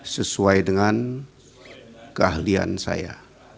sesuai dengan keahlian saya